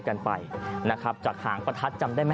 คุณผู้ชมไปฟังเสียงกันหน่อยว่าเค้าทำอะไรกันบ้างครับ